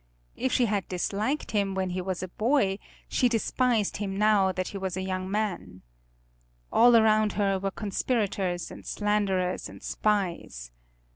If she had disliked him when he was a boy she despised him now that he was a young man. All around her were conspirators, and slanderers, and spies.